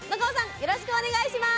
よろしくお願いします。